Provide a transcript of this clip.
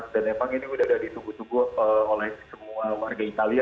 dan memang ini sudah ditunggu tunggu oleh semua warga italia